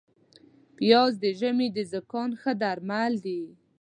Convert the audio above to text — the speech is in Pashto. پیاز د ژمي د زکام ښه درمل دي